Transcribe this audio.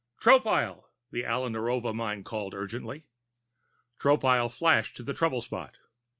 "Tropile!" the Alla Narova mind called urgently. Tropile flashed to the trouble spot.